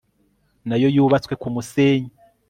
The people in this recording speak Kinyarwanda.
na yo yubatswe ku musenyi